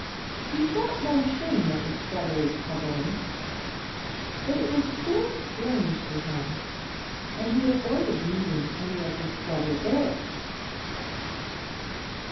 He felt no shame at his feathery covering, but it was still strange to him, and he avoided meeting any of his brother bears.